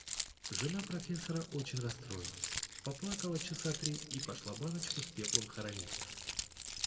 Жена профессора очень расстроилась, поплакала часа три и пошла баночку с пеплом хоронить.